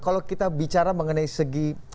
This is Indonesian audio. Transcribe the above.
kalau kita bicara mengenai segi